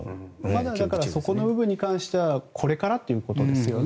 まだそこの部分に関してはこれからということですね。